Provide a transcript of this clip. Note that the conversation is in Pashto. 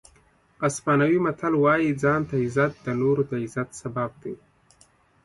اسپانوي متل وایي ځان ته عزت د نورو د عزت سبب دی.